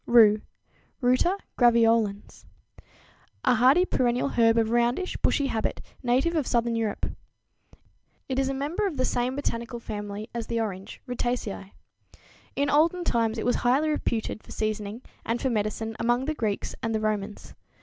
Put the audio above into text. =Rue= (Ruta graveolens, Linn.), a hardy perennial herb of roundish, bushy habit, native of southern Europe. It is a member of the same botanical family as the orange, Rutaceæ. In olden times it was highly reputed for seasoning and for medicine among the Greeks and the Romans.